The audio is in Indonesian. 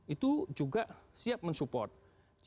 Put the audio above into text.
itu juga siap mensupport